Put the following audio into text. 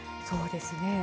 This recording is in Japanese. そうですね。